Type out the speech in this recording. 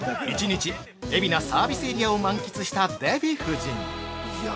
◆１日、海老名サービスエリアを満喫したデヴィ夫人。